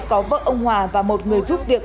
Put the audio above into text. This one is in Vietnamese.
có vợ ông hòa và một người giúp việc